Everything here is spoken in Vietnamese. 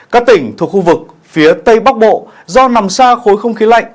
các tỉnh thuộc khu vực phía tây bắc bộ do nằm xa khối không khí lạnh